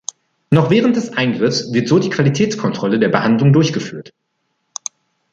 Noch während des Eingriffs wird so die Qualitätskontrolle der Behandlung durchgeführt.